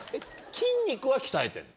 筋肉は鍛えてるの？